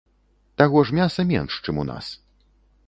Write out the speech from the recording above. Таго ж мяса менш, чым у нас.